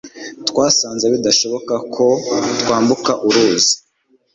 twasanze bidashoboka ko twambuka uruzi